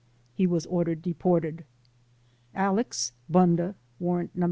He ivas or dered deported. Alex. Bunda (Warrant No.